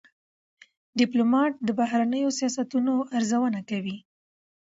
ډيپلومات د بهرنیو سیاستونو ارزونه کوي.